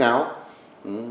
các doanh nghiệp